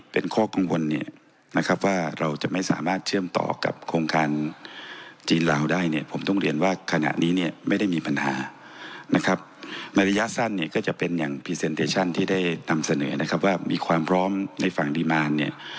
เพราะว่าสถานีไทยมีความพร้อมในฐาน